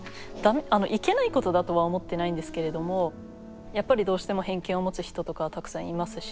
いけないことだとは思ってないんですけれどもやっぱりどうしても偏見を持つ人とかたくさんいますし。